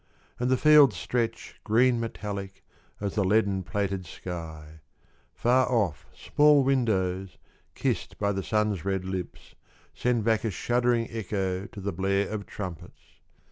And the fields stretch green metallic As the leaden plated sky ;— far off Small windows, kissed by the Sun's red lips Send back a shuddering echo To the blare of trumpets.